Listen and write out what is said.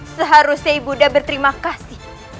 seharusnya ibu nda berterima kasih